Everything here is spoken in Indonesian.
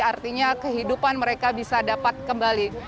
artinya kehidupan mereka bisa dapat kembali